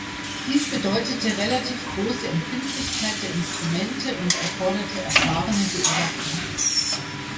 Dies bedeutete relativ große Empfindlichkeit der Instrumente und erforderte erfahrene Beobachter.